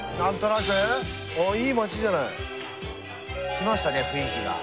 来ましたね雰囲気が。